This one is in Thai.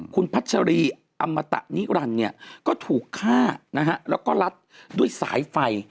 คุณพัชรีอัมตะนิรันดิ์ก็ถูกฆ่าแล้วก็รัดด้วยสายไฟ